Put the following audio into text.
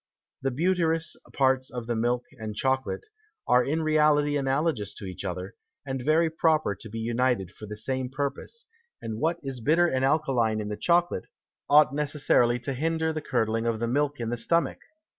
The butirous Parts of the Milk and Chocolate, are in reality analogous to each other, and very proper to be united for the same Purpose; and what is bitter and alkaline in the Chocolate, ought necessarily to hinder the curdling of the Milk in the Stomach.